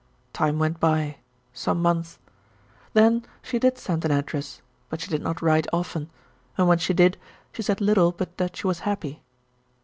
Time went by some months. Then she did send an address, but she did not write often, and when she did, she said little but that she was happy.